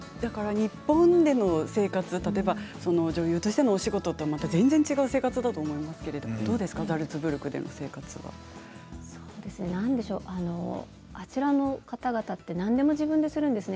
日本での生活女優としてのお仕事というと全然違う生活だと思いますけれどザルツブルクでの生活はあちらの方々は何でも自分でするんですよね。